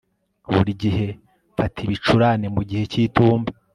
Buri gihe mfata ibicurane mu gihe cyitumba